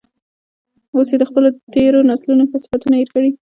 اوس یې د خپلو تیرو نسلونو ښه صفتونه هیر کړي.